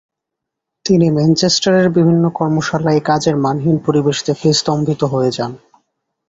তিনি ম্যানচেস্টারের বিভিন্ন কর্মশালায় কাজের মানহীন পরিবেশ দেখে স্তম্ভিত হয়ে যান।